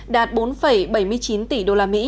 đạt bốn bảy mươi chín tỷ usd